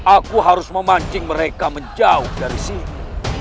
aku harus memancing mereka menjauh dari sini